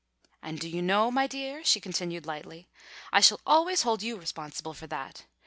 And do you know, my dear," she continued lightly, "I shall always hold you responsible for that.